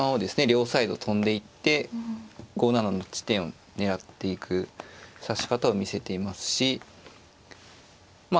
両サイド跳んでいって５七の地点を狙っていく指し方を見せていますしま